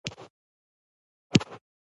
په نغري کې اور بل دی